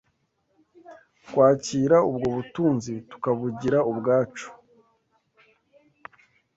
kwakira ubwo butunzi tukabugira ubwacu.